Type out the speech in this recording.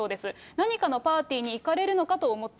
何かのパーティーに行かれるのかと思った。